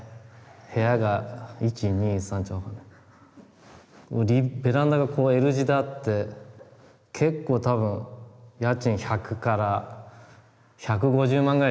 部屋が１２３ベランダがこうＬ字であって結構多分家賃１００から１５０万ぐらいじゃないですかね。